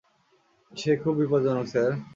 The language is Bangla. সে খুব বিপদজনক স্যার।